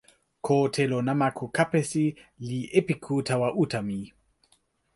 ko telo namako kapesi li epiku tawa uta mi.